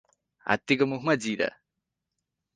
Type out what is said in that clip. हात्तीको मुखमा जिरा